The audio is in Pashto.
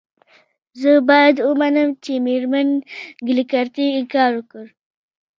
زه باید ومنم چې میرمن کلیګرتي انکار وکړ